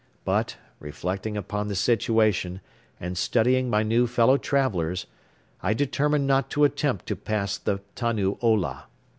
But, reflecting upon the situation and studying my new fellow travelers, I determined not to attempt to pass the Tannu Ola.